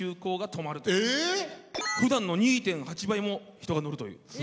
えっ！ふだんの２．８倍も人が乗るという。